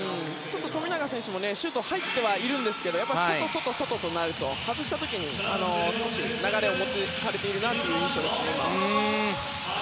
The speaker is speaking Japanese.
富永選手もシュートが入っていますが外、外、外となると外した時に少し流れを持っていかれているという印象ですね。